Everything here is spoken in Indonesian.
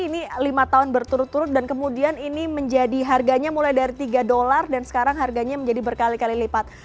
ini lima tahun berturut turut dan kemudian ini menjadi harganya mulai dari tiga dolar dan sekarang harganya menjadi berkali kali lipat